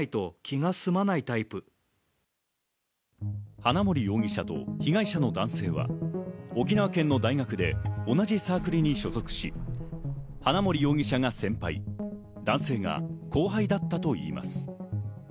花森容疑者と被害者の男性は沖縄県の大学で同じサークルに所属し、花森容疑者が先輩、男性が後輩だったといいます。